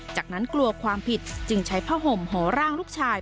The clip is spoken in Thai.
จากนั้นกลัวความผิดจึงใช้ผ้าห่มห่อร่างลูกชาย